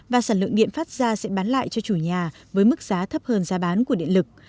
và sản lượng điện phát ra sẽ bán lại cho chủ nhà với mức giá thấp hơn giá bán của điện lực